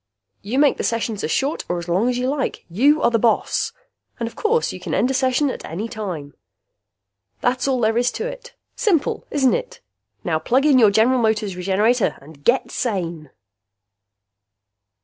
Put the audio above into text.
You make the sessions as short or as long as you like. You are the boss! And of course you can end a session at any time. That's all there is to it! Simple, isn't it? Now plug in your General Motors Regenerator and GET SANE!